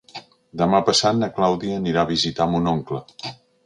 Demà passat na Clàudia anirà a visitar mon oncle.